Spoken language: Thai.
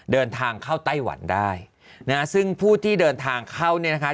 เดินทางเข้าไต้หวันได้นะฮะซึ่งผู้ที่เดินทางเข้าเนี่ยนะคะ